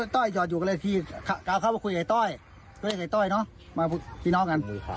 ต้อยจอดอยู่กันเลยทีข้าวเข้าไปคุยไอ้ต้อยคุยไอ้ต้อยเนอะมาพี่น้องกัน